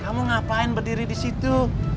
kamu ngapain berdiri disitu